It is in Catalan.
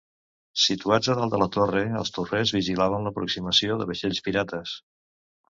Situats a dalt de la torre, els torrers vigilaven l'aproximació de vaixells pirates.